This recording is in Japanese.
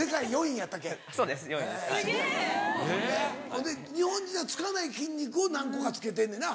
・ほんで日本人はつかない筋肉を何個かつけてんねな？